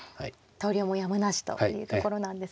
投了もやむなしというところなんですね。